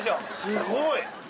すごい！